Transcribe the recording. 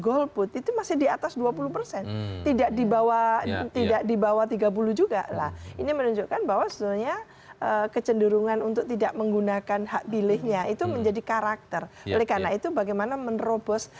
oleh karena itu bagaimana menerobos